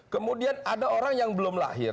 kemudian ada orang yang belum lahir